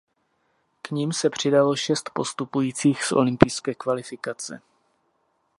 K nim se přidalo šest postupujících z olympijské kvalifikace.